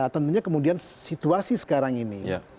tentunya kemudian situasi sekarang ini